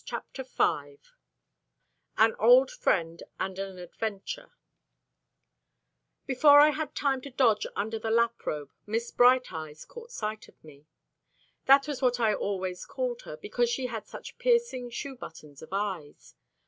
CHAPTER V AN OLD FRIEND, AND AN ADVENTURE Before I had time to dodge under the lap robe, Miss Bright Eyes caught sight of me. That was what I always called her, because she had such piercing shoe buttons of eyes.